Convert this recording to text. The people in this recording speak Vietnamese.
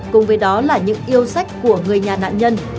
cùng với đó là những yêu sách của người nhà nạn nhân